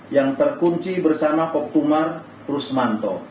yang terkunci bersama koptumar rusmanto